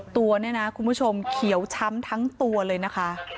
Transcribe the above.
ตัวเนี่ยนะคุณผู้ชมเขียวช้ำทั้งตัวเลยนะคะ